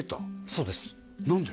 そうです何で？